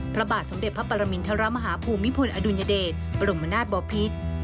พระบาทสมเด็จพระปรมินทรมาฮภูมิพลอดุลยเดชบรมนาศบอพิษ